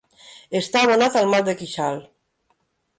Estar abonat al mal de queixal.